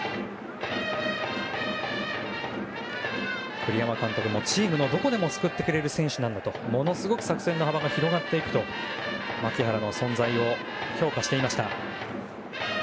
栗山監督もチームのどこでも救ってくれる選手なんだとものすごく作戦の幅が広がっていくと牧原の存在を評価していました。